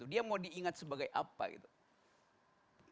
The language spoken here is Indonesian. dia mau diingat sebagai apa gitu